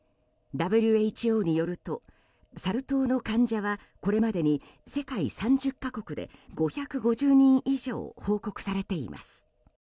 ＷＨＯによるとサル痘の患者はこれまでに世界３０か国で５５０人以上報告されています。